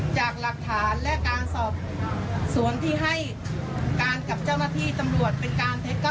จากหลักฐานและการสอบสวนที่ให้การกับเจ้าหน้าที่ตำรวจเป็นการเท็จ